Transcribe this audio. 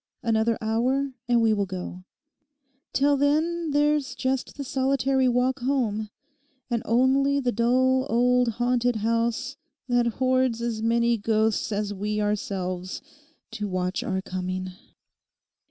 Another hour, and we will go. Till then there's just the solitary walk home and only the dull old haunted house that hoards as many ghosts as we ourselves to watch our coming.